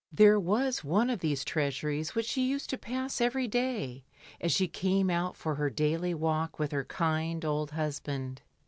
There was one of these treasuries which she used to pass every day as she came out for her daily walk with her kind old husband.